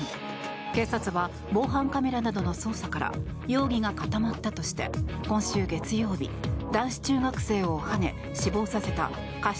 警察は防犯カメラなどの捜査から容疑が固まったとして今週月曜日男子中学生をはね、死亡させた過失